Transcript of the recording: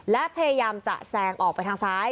และพยายามจะแซงออกไปทางซ้าย